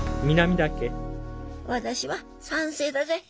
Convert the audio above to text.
私は賛成だぞい。